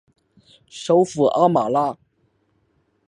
首府阿马拉。